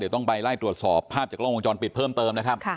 เดี๋ยวต้องไปไล่ตรวจสอบภาพจากวงจรปิดเพิ่มเติมนะคะ